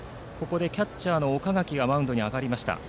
キャッチャーの岡垣がマウンドに上がりました。